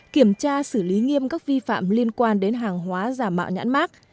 kiểm tra xử lý nghiêm các vi phạm liên quan đến hàng hóa giả mạo nhãn mát